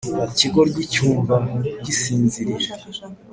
ikigoryi cyumva gisinziriye